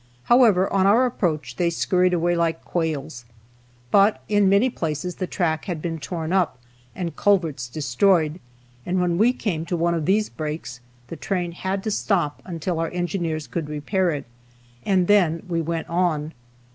However, on our approach they scurried away like quails. But in many places the track had been torn up, and culverts destroyed, and when we came to one of these breaks, the train had to stop until our engineers could repair it, and then we went on.